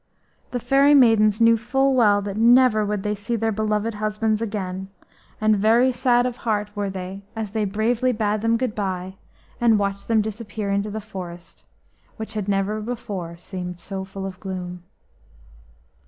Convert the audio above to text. The fairy maidens knew full well that never would they see their beloved husbands again, and very sad of heart were they as they bravely bade them good bye and watched them disappear into the forest, which had never before seemed so full of gloom.